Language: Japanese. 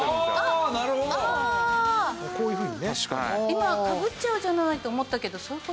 今かぶっちゃうじゃないって思ったけどそういう事？